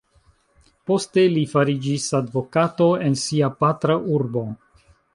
Poste li fariĝis advokato en sia patra urbo.